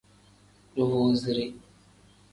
Duvuuzire.